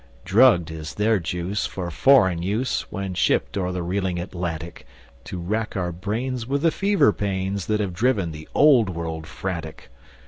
Drugged is their juice For foreign use, When shipped o'er the reeling Atlantic, To rack our brains With the fever pains, That have driven the Old World frantic.